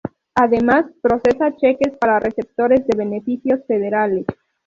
Además, procesa cheques para receptores de beneficios federales.